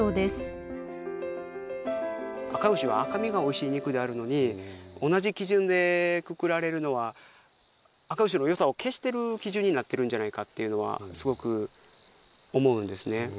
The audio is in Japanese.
あかうしは赤身がおいしい肉であるのに同じ基準でくくられるのはあかうしの良さを消してる基準になってるんじゃないかっていうのはすごく思うんですね。